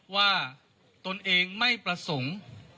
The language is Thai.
ตนเองไม่ประสงค์